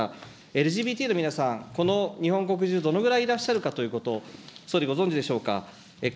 ＬＧＢＴの皆さん、この日本国中、どのぐらいいらっしゃるかということと、総理、ご存じでしょうか。